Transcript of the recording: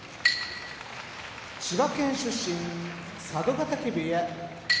千葉県出身佐渡ヶ嶽部屋